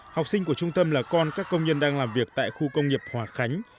học sinh của trung tâm là con các công nhân đang làm việc tại khu công nghiệp hòa khánh